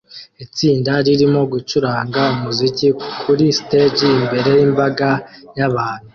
Itsinda ririmo gucuranga umuziki kuri stage imbere yimbaga yabantu